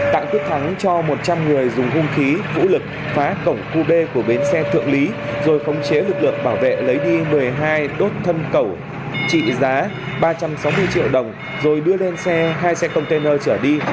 tạng quyết thắng cho một trăm linh người dùng hung khí vũ lực phá cổng khu b của bến xe thượng lý rồi khống chế lực lượng bảo vệ lấy đi một mươi hai đốt thân cẩu trị giá ba trăm sáu mươi triệu đồng rồi đưa lên xe hai xe container trở đi